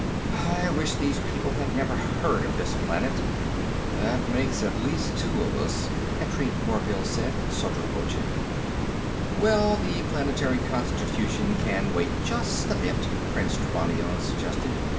I wish these people had never heard of this planet." "That makes at least two of us," Patrique Morvill said, sotto voce. "Well, the planetary constitution can wait just a bit," Prince Trevannion suggested.